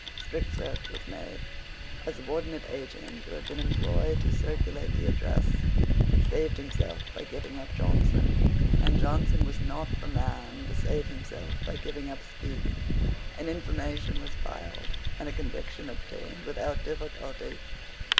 Strict search was made. A subordinate agent who had been employed to circulate the address saved himself by giving up Johnson; and Johnson was not the man to save himself by giving up Speke. An information was filed, and a conviction obtained without difficulty.